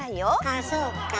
ああそうか。